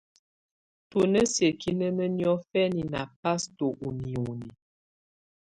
Tù nà siǝ́kinǝnǝ́ niɔ̀fɛna nà pasto ù nioni.